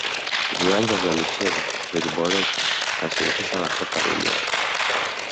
viwanja vya michezo viliboreshwa na shirikisho la soka duniani